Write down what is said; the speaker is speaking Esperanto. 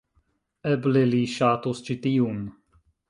Eble li ŝatus ĉi tiun